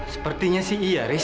sepertinya sih iya riz